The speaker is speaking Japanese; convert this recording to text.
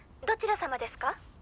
「どちらさまですか？」。